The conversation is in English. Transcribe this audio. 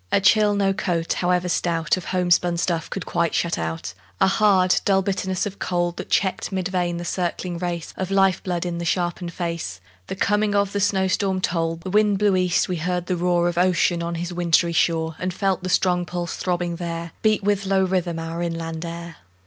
A chill no coat, however stout, Of homespun stuff could quite shut out, A hard, dull bitterness of cold, That checked, mid vein, the circling race Of life blood in the sharpened face, The coming of the snow storm told. The wind blew east: we heard the roar Of Ocean on his wintry shore, And felt the strong pulse throbbing there Beat with low rhythm our inland air.